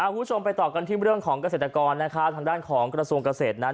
คุณผู้ชมไปต่อกันที่เรื่องของเกษตรกรทางด้านของกระทรวงเกษตรนั้น